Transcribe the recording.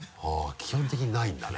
基本的にないんだね。